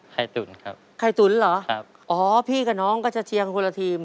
ไข่ตุ๋นครับครับอ๋อพี่กับน้องก็จะเชียร์คนละทีม